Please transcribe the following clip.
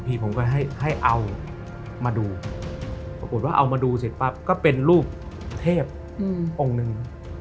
ผมก็ให้เอามาดูปรากฏว่าเอามาดูเสร็จปั๊บก็เป็นรูปเทพองค์หนึ่ง